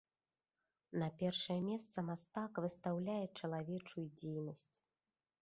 На першае месца мастак выстаўляе чалавечую дзейнасць.